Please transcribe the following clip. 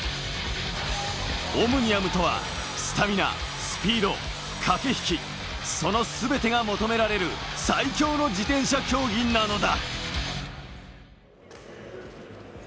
オムニアムとはスタミナ、スピード、駆け引き、そのすべてが求められる最強の自転車競技なのだ。